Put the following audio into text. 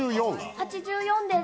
８４です。